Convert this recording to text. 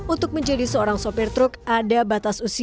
untuk menjadi seorang sopir truk ada berat